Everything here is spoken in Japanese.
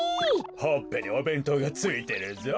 ほっぺにおべんとうがついてるぞ。